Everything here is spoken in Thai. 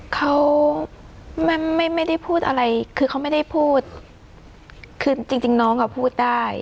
เขาไม่ได้พูดอะไรคือเขาไม่ได้พูดคือจริงจริงน้องอ่ะพูดได้